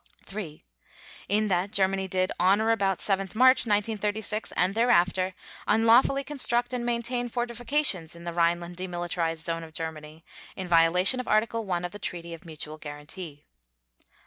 (3) In that Germany did, on or about 7 March 1936, and thereafter, unlawfully construct and maintain fortifications in the Rhineland demilitarized zone of Germany, in violation of Article 1 of the Treaty of Mutual Guarantee.